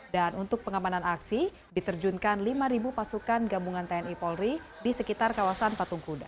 dan untuk pengamanan aksi diterjunkan lima pasukan gabungan tni polri di sekitar kawasan patung kuda